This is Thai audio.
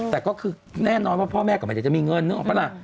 แต่ก็คือแน่นอนว่าพ่อแม่ก็ไม่ได้จะมีเงินนึกออกปะล่ะ